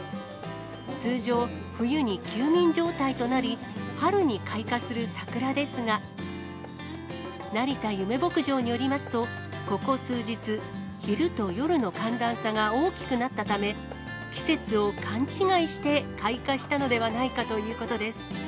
通常、冬に休眠状態となり、春に開花する桜ですが、成田ゆめ牧場によりますと、ここ数日、昼と夜の寒暖差が大きくなったため、季節を勘違いして開花したのではないかということです。